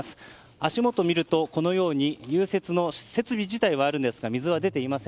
足元を見ると融雪の設備自体はあるんですが水は出ていません。